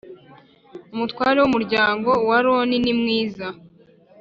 Umutware w umuryango wa aroni ni mwiza